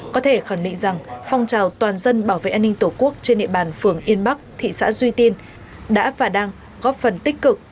có thể khẳng định rằng phong trào toàn dân bảo vệ an ninh tổ quốc trên địa bàn phường yên bắc thị xã duy tiên đã và đang góp phần tích cực